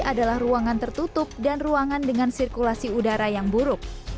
adalah ruangan tertutup dan ruangan dengan sirkulasi udara yang buruk